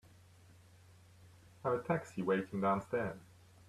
I have a taxi waiting downstairs.